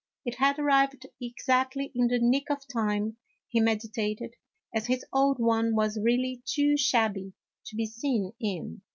It had arrived exactly in the nick of time, he meditated, as his old one was really too shabby to be seen in.